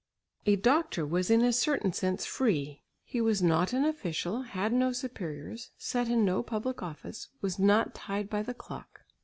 A doctor was in a certain sense free; he was not an official, had no superiors, set in no public office, was not tied by the clock.